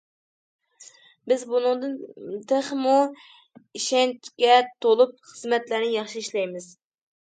بىز بۇنىڭدىن تېخىمۇ ئىشەنچكە تولۇپ خىزمەتلەرنى ياخشى ئىشلەيمىز.